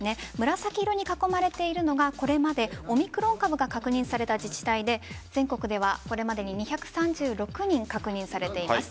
紫色に囲まれているのがこれまでオミクロン株が確認された自治体で全国ではこれまでに２３６人確認されています。